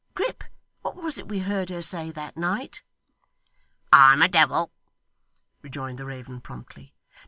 Grip, what was it we heard her say that night?' 'I'm a devil!' rejoined the raven promptly.